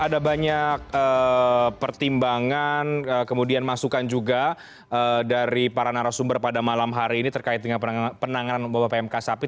ada banyak pertimbangan kemudian masukan juga dari para narasumber pada malam hari ini terkait dengan penanganan wabah pmk sapi